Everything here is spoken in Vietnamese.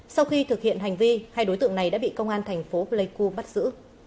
sau khi thực hiện hành vi hai đối tượng này đã bị công an thành phố pleiku bắt giữ